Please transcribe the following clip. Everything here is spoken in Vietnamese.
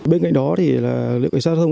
bên cạnh đó lực lượng cảnh sát giao thông